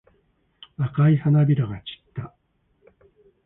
赤い花びらが散った。